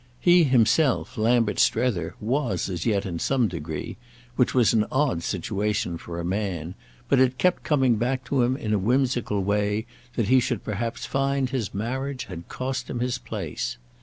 He himself Lambert Strether, was as yet in some degree—which was an odd situation for a man; but it kept coming back to him in a whimsical way that he should perhaps find his marriage had cost him his place.